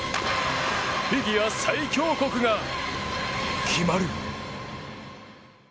フィギュア最強国が決まる。